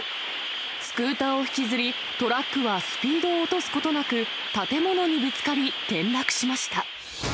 スクーターを引きずり、トラックはスピードを落とすことなく、建物にぶつかり、転落しました。